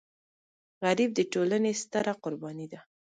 غریب د ټولنې ستره قرباني ده